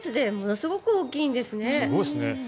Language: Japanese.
すごいですね。